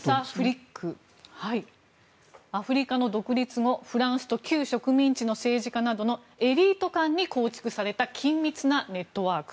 アフリカの独立後フランスと旧植民地の政治家などのエリート間に構築された緊密なネットワーク。